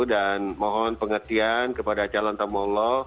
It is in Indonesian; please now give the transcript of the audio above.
dan mohon pengertian kepada calon tamu allah